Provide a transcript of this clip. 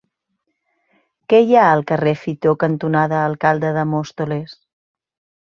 Què hi ha al carrer Fitor cantonada Alcalde de Móstoles?